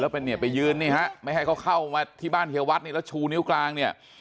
แล้วไปยืนไม่ให้เขาเข้ามาที่บ้านเฮียวัฒน์แล้วชูนิ้วกลาง